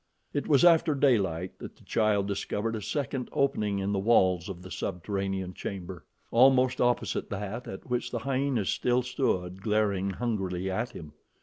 It was after daylight that the child discovered a second opening in the walls of the subterranean chamber, almost opposite that at which the hyenas still stood glaring hungrily at him.